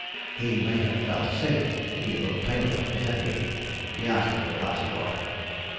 He may have felt sick, he looked pale enough; at any rate, he asked me for a glass of water.